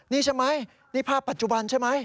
นี่ใช่ไหมนี่ภาพปัจจุบันใช่ไหม